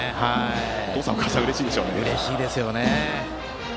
お父さん、お母さんはうれしいでしょうね。